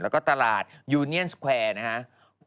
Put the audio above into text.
แล้วก็ตลาดยูเนียนสแควร์นะครับ